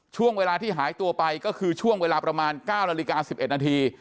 ช่วงเวลาที่หายตัวไปก็คือช่วงเวลาประมาณ๙นาฬิกา๑๑นาที